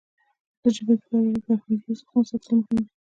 د ژبې په وده کې د فرهنګي ارزښتونو ساتل مهم دي.